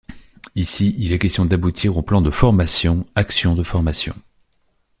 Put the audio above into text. Ici, il est question d'aboutir au plan de formation, actions de formation.